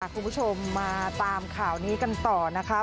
คุณผู้ชมมาตามข่าวนี้กันต่อนะคะ